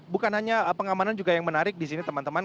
bukan hanya pengamanan juga yang menarik di sini teman teman